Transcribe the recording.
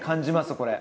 これ。